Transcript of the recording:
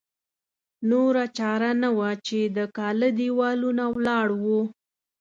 نوره چاره نه وه چې د کاله دېوالونه ولاړ وو.